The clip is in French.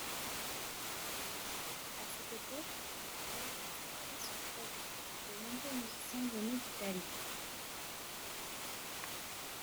À cette époque, la fête s’étalait sur trois jours, de nombreux musiciens venaient d’Italie.